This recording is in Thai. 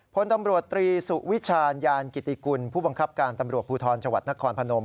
พลตำรวจตรีสุวิชาญยานกิติกุลผู้บังคับการตำรวจภูทรจังหวัดนครพนม